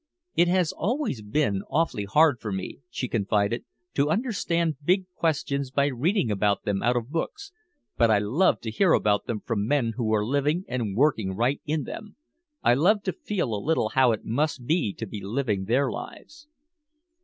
"It has always been awfully hard for me," she confided, "to understand big questions by reading about them out of books. But I love to hear about them from men who are living and working right in them. I love to feel a little how it must be to be living their lives."